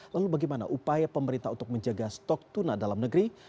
lalu bagaimana upaya pemerintah untuk menjaga stok tuna dalam negeri